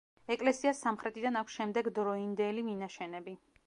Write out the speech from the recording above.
ეკლესიას სამხრეთიდან აქვს შემდეგდროინდელი მინაშენები.